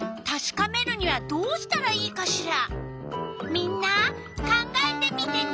みんな考えてみてね！